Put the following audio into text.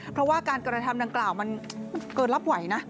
เพราะว่าการกระทำดังกล่าวมันเกินรับไหวนะ